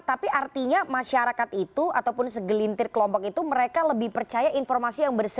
tapi artinya masyarakat itu ataupun segelintir kelompok itu mereka lebih percaya informasi yang berbeda